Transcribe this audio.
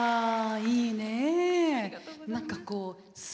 いいね。